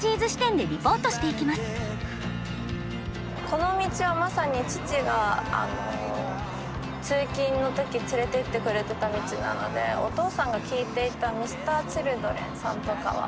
この道はまさに父が通勤の時連れていってくれてた道なのでお父さんが聴いていたＭｒ．Ｃｈｉｌｄｒｅｎさんとかは。